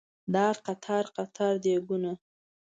دا قطار قطار دیګونه